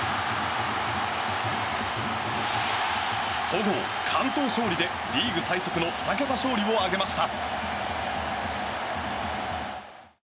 戸郷、完投勝利でリーグ最速の２桁勝利を挙げました。